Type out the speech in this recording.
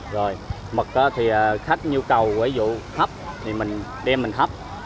rồi mực thì khách nhu cầu ví dụ hấp thì mình đem mình hấp